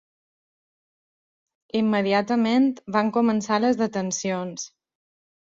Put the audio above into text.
Immediatament van començar les detencions.